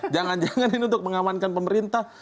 jangan jangan ini untuk mengamankan pemerintah